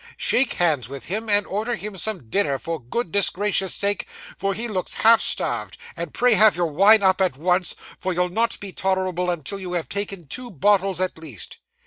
Shake hands with him, and order him some dinner, for goodness gracious' sake, for he looks half starved; and pray have your wine up at once, for you'll not be tolerable until you have taken two bottles at least.